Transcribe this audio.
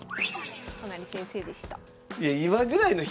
都成先生でした。